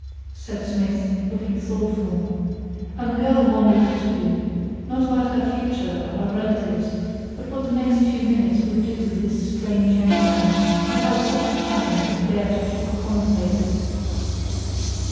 said Smith, looking thoughtful; and the girl wondered, too: not about her future or her relatives, but what the next few minutes would do with this strange young man, and how at such a time he could bear to talk commonplaces.